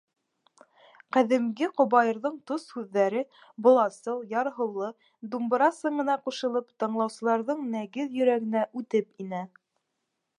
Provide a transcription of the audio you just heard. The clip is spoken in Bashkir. Ҡәҙимге ҡобайырҙың тос һүҙҙәре, боласыл, ярһыулы думбыра сыңына ҡушылып, тыңлаусыларҙың нәгеҙ йөрәгенә үтеп инә.